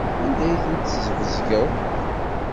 Anda ay ten-tesbezgeḍ?